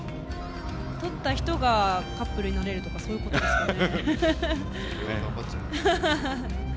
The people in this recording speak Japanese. とった人がカップルになれるとかそういう感じですかね。